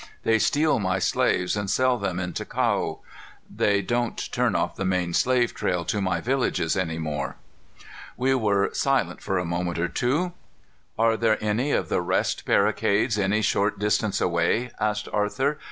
"They steal my slaves and sell them in Ticao. They don't turn off the main slave trail to my villages any more." We were, silent for a moment or two. "Are there any of the rest barricades any short distance away?" asked Arthur.